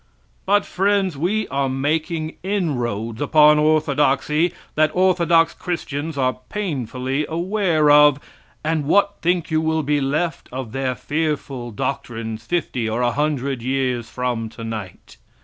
But, friends, we are making inroads upon orthodoxy that orthodox Christians are painfully aware of, and what think you will be left of their fearful doctrines fifty or a hundred years from tonight?